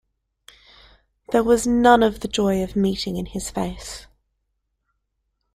There was none of the joy of meeting in his face.